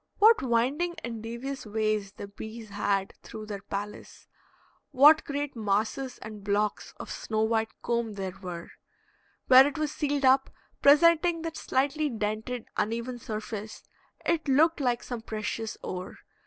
What winding and devious ways the bees had through their palace! What great masses and blocks of snow white comb there were! Where it was sealed up, presenting that slightly dented, uneven surface, it looked like some precious ore.